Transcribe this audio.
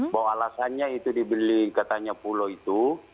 bahwa alasannya itu dibeli katanya pulau itu